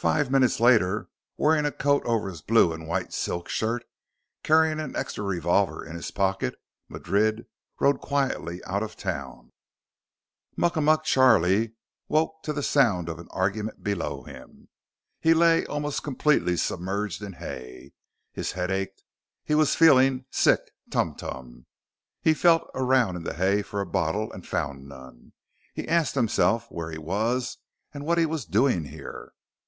Five minutes later, wearing a coat over his blue and white silk shirt, carrying an extra revolver in his pocket, Madrid rode quietly out of town. Muckamuck Charlie woke to the sound of an argument below him. He lay almost completely submerged in hay. His head ached. He was feeling sick tumtum. He felt around in the hay for a bottle and found none. He asked himself where he was and what he was doing here.